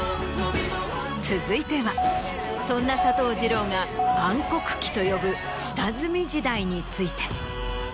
続いてはそんな佐藤二朗が暗黒期と呼ぶ下積み時代について。